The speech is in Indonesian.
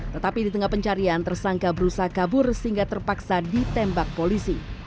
tetapi di tengah pencarian tersangka berusaha kabur sehingga terpaksa ditembak polisi